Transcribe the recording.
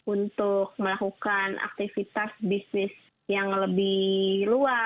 untuk melakukan aktivitas bisnis yang lebih luas